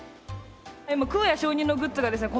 空也上人のグッズがですね